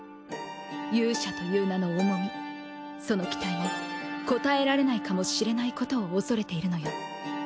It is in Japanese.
勇者という名の重みその期待に応えられないかもしれないことを恐れているのよ。